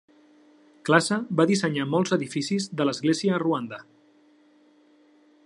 Classe va dissenyar molts edificis de l'església a Ruanda.